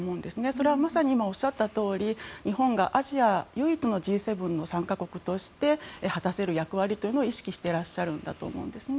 それはまさに今おっしゃたとおり日本はアジアで唯一のＧ７の参加国として果たせる役割というのを意識していらっしゃるんだと思うんですね。